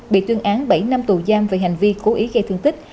bị tuyên án bảy năm tù giam về hành vi cố ý gây thương tích